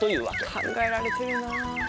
考えられてるな。